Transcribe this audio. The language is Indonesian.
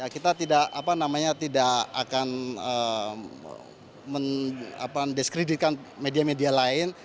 kita tidak akan mendiskreditkan media media lain